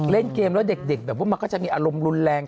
เล่นเกมแล้วเด็กแบบว่ามันก็จะมีอารมณ์รุนแรง